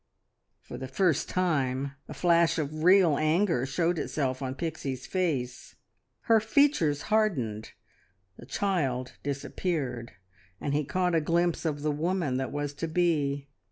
For the first time a flash of real anger showed itself on Pixie's face. Her features hardened; the child disappeared and he caught a glimpse of the woman that was to be.